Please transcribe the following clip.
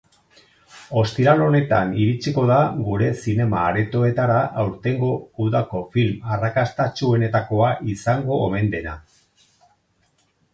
Ostiral honetan iritsiko da gure zinema-aretoetara aurtengo udako film arrakastatsuenetakoa izango omen dena.